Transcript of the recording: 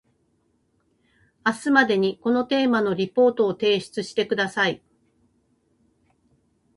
明日までにこのテーマのリポートを提出してください